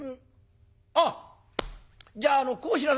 あっじゃあこうしなさい。